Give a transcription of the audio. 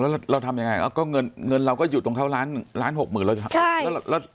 แล้วเราทำยังไงก็เงินเราก็อยู่ตรงเขาล้านหกหมื่นแล้วครับ